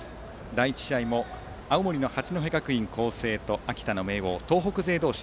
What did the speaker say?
第１試合も青森の八戸学院光星と秋田の明桜、東北勢同士。